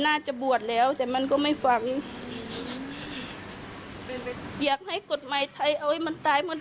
น่าจะบวชแล้วแต่มันก็ไม่ฟังอยากให้กฎหมายไทยเอาให้มันตายหมด